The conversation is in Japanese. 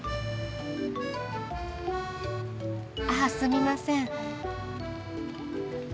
あっすみません。